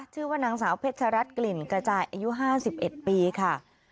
ชื่อว่านางสาวเพชรัตนกลิ่นกระจายอายุ๕๑ปีค่ะ